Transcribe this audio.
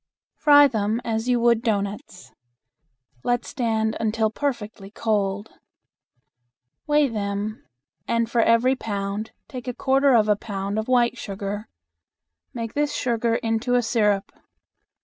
Fry them as you would doughnuts. Let stand until perfectly cold. Weigh them, and for every pound take a quarter of a pound of white sugar. Make this sugar into a syrup.